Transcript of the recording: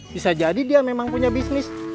bisa jadi dia memang punya bisnis